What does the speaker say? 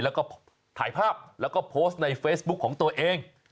แล้วก็ถ่ายภาพแล้วก็โพสต์ในเฟซบุ๊คของตัวเอง